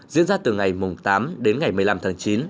diễn ra từ ngày tám đến ngày một mươi năm tháng chín